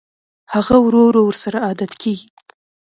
هغه ورو ورو ورسره عادت کېږي